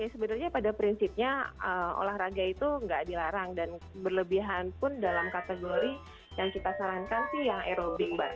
sebenarnya pada prinsipnya olahraga itu nggak dilarang dan berlebihan pun dalam kategori yang kita sarankan sih yang aerobik mbak